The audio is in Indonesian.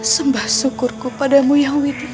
sembah syukurku padamu yang witi